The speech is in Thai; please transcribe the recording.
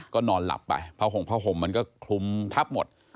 ก็นอนหลับไปเผาห่มมันก็คลุมทับหมด